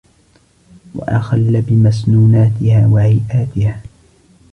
وَأَخَلَّ بِمَسْنُونَاتِهَا وَهَيْئَاتِهَا